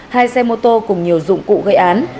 hai xe mô tô cùng nhiều dụng cụ gây án